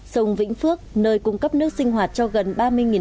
sông vĩnh phước nơi cung cấp nước sinh hoạt cho gần ba hecta lúa